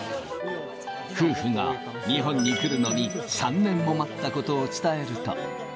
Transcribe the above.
夫婦が日本に来るのに３年も待ったことを伝えると。